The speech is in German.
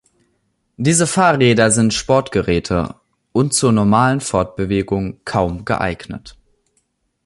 Diese Fahrräder sind Sportgeräte und zur normalen Fortbewegung kaum geeignet.